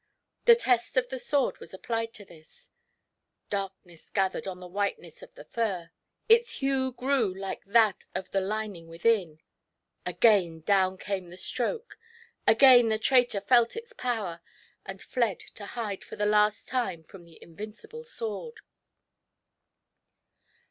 The test of the sword was applied to this; dark ness gathered on the whiteness of the fiir, its hue grew like that of the lining within, — again down came the stroke, again the traitor felt its power, and fled to hide for the last time from the invincible sword.